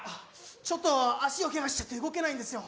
ちょっと脚をケガしちゃって動けないんですよ